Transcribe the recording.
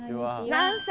何歳？